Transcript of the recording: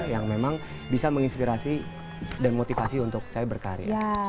yang memang bisa menginspirasi dan motivasi untuk saya berkarya